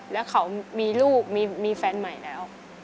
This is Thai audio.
แล้วเขามีลูกมีแฟนใหม่แล้ว